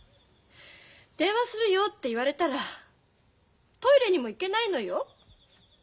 電話するよって言われたらトイレにも行けないのよ。